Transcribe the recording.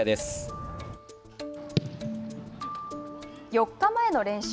４日前の練習。